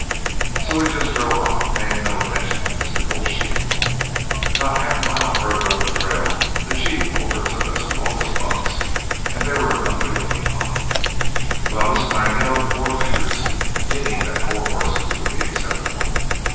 So we just drove on, paying no attention to Mr. Bull Sheep. About half a mile farther up the trail, the chief overtook us with all his bucks, and they were an ugly looking lot. Well, this time he held up four fingers, meaning that four horses would be acceptable.